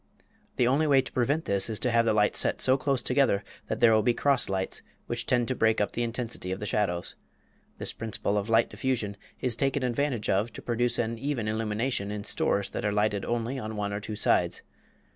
The only way to prevent this effect is to have the lights so close together that there will be cross lights, which tend to break up the intensity of the shadows. This principle of light diffusion is taken advantage of to produce an even illumination in stores that are lighted only on one or two sides.